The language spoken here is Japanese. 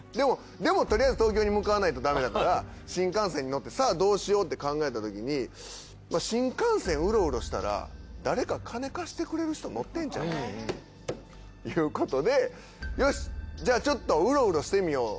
でもとりあえず東京に向かわないとだめだから新幹線に乗ってさあどうしようって考えたときに新幹線ウロウロしたら誰か金貸してくれる人乗ってんちゃうかいうことでよしじゃあちょっとウロウロしてみよう。